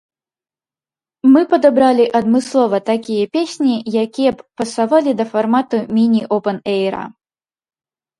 Мы падабралі адмыслова такія песні, якія б пасавалі да фармату міні-опэн-эйра.